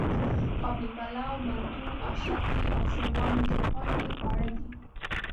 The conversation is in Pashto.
قابلي پلو، منتو، آشکې او ښوروا مې د خوښې خواړه دي.